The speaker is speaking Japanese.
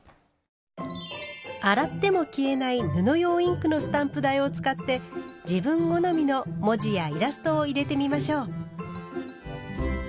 洗っても消えない布用インクのスタンプ台を使って自分好みの文字やイラストを入れてみましょう。